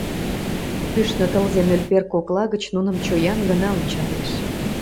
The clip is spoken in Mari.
Кӱшнӧ тылзе нӧлпер кокла гыч нуным чоян гына ончалеш.